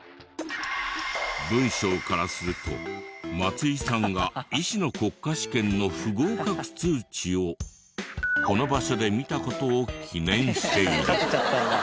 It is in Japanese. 文章からすると松井さんが医師の国家試験の不合格通知をこの場所で見た事を記念している。